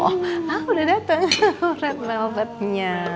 hah udah dateng red velvetnya